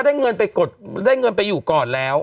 ได้เงินไปกดได้เงินไปอยู่ก่อนแล้ว